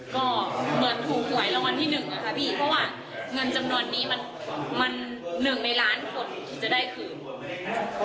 ก็เหมือนถูกหวยรางวัลที่หนึ่งอะค่ะพี่เพราะว่าเงินจำนวนนี้มันหนึ่งในล้านคนที่จะได้คืน